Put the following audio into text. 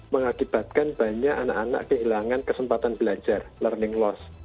mengakibatkan banyak anak anak kehilangan kesempatan belajar learning loss